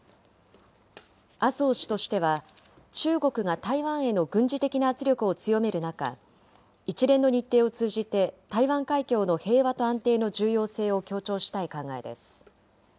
麻生氏としては、中国が台湾への軍事的な圧力を強める中、一連の日程を通じて台湾海峡の平和と安定の重要性を強調したい考えです。